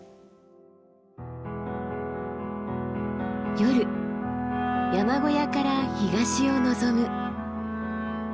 夜山小屋から東を望む。